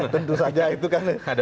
tentu saja itu kan